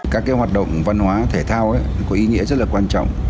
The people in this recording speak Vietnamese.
các hoạt động văn hóa thể thao có ý nghĩa rất quan trọng